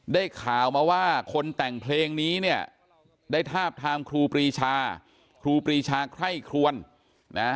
ได้ข่าวมาว่าคนแต่งเพลงนี้เนี่ยได้ทาบทามครูปรีชาครูปรีชาไคร่ครวนนะ